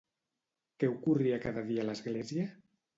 Què ocorria cada dia a l'església?